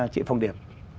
chị phong điệp